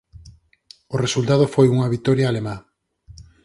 O resultado foi unha vitoria alemá.